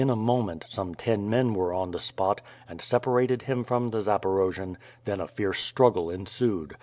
343 a moment, some ten men were on the spot, and separated him from the Zaparojian, then a fierce struggle ensued.